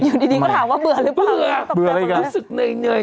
อยู่ดีก็ถามว่าเบื่อหรือเปล่าตกแปลว่าอะไรนะครับเบื่อรู้สึกเหนื่อย